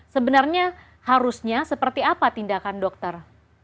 sebenarnya harusnya seperti apa tindakan dokter